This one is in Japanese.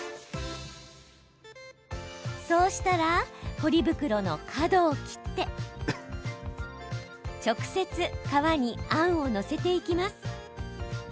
そうしたらポリ袋の角を切って直接、皮にあんを載せていきます。